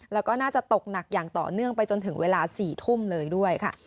แล้วก็น่าจะตกหนักอย่างต่อเนื่องไปจนถึงเวลา๔ทุ่มเลยด้วยค่ะ